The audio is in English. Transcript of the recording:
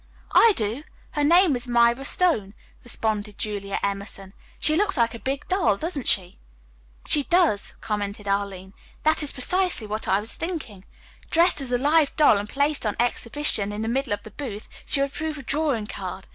"I do. Her name is Myra Stone," responded Julia Emerson. "She looks like a big doll, doesn't she!" "She does," commented Arline. "That is precisely what I was thinking. Dressed as a live doll and placed on exhibition in the middle of the booth, she would prove a drawing card.